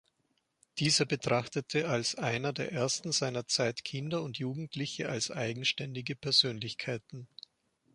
Dieser betrachtete als einer der ersten seiner Zeit Kinder und Jugendliche als eigenständige Persönlichkeiten.